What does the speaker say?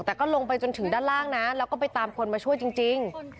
แต่ก็ลงไปจนถึงด้านล่างนะแล้วก็ไปตามคนมาช่วยจริง